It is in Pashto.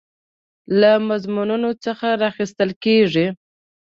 له مضمونونو څخه راخیستل کیږي.